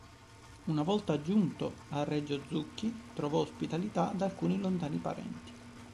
Una volta giunto a Reggio Zucchi trovò ospitalità da alcuni lontani parenti.